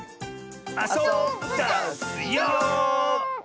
あそぶダスよ！